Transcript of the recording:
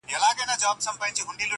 o اوبه د سره خړي دي٫